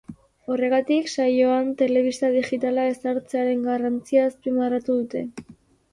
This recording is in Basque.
Horregatik, saioan, telebista digitala ezartzearen garrantzia azpimarratu dute.